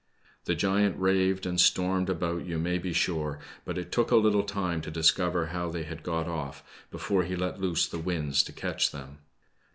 The giant raved and stormed about, you may be sure, but it took a little time to discover how they had got off, before he let loose the winds to catch them.